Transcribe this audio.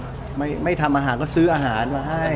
ไม่ทำอาหารก็ซื้ออาหารมาให้